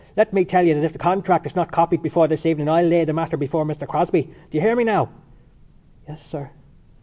Let me tell you that if the contract is not copied before this evening I'll lay the matter before Mr Crosbie.... Do you hear me now?" "Yes, sir."